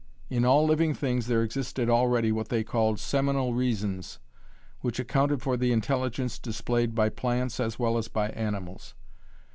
In all living things there existed already what they called 'seminal reasons,' which accounted for the intelligence displayed by plants as well as by animals.